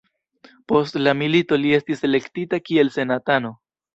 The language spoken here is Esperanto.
Post la milito li estis elektita kiel senatano.